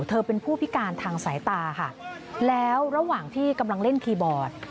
เธอเป็นผู้พิการทางสายตาค่ะแล้วระหว่างที่กำลังเล่นคีย์บอร์ด